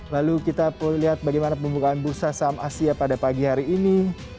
lalu kita lihat bagaimana pembukaan bursa saham asia pada pagi hari ini